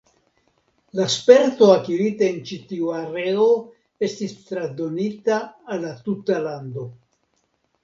La sperto akirita en ĉi tiu areo estis transdonita al la tuta lando.